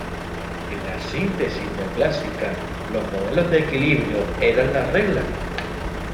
En la síntesis neoclásica, los modelos de equilibrio eran la regla.